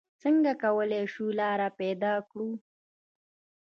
څنګه کولې شو لاره پېدا کړو؟